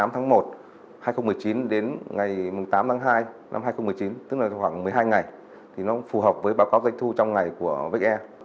tám tháng một hai nghìn một mươi chín đến ngày tám tháng hai năm hai nghìn một mươi chín tức là khoảng một mươi hai ngày thì nó phù hợp với báo cáo doanh thu trong ngày của vietnam